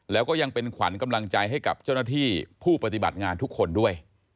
แล้วก็ยังเป็นขวัญกำลังใจให้กับเจ้าหน้าที่ผู้ปฏิบัติงานทุกคนด้วย